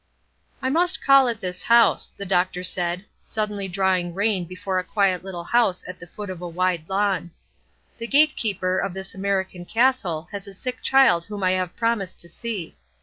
"I must call at this house," the doctor said, suddenly drawing rein before a quiet little house at the foot of a wide lawn. "The gatekeeper of this American castle has a sick child whom I have promised to see.